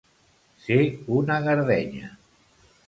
Ser una gardenya.